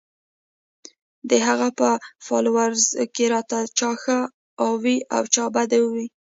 د هغه پۀ فالوورز کښې راته چا ښۀ اووې او چا بد اووې